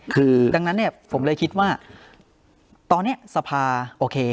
คือดังนั้นเนี่ยผมเลยคิดว่าตอนนี้สภาโอเค